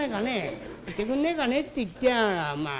「してくんねえかねって言ってやがらあ。